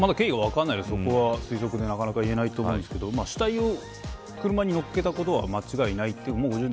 経緯が分からないですが推測で、なかなか言えないと思いますが死体を車に乗っけたことは間違いない。